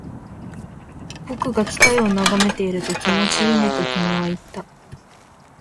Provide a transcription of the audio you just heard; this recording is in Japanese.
僕が機械を眺めていると、気持ちいいねと君は言った